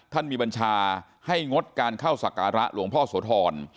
ท่านมีบัญชาให้งดการเข้าศักระหลวงพ่อโสธร